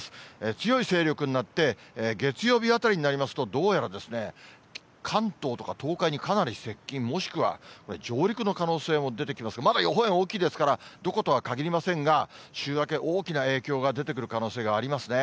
強い勢力になって、月曜日あたりになりますと、どうやら関東とか東海にかなり接近、もしくは上陸の可能性も出てきますが、まだ予報円大きいですから、どことは限りませんが、週明け、大きな影響が出てくる可能性がありますね。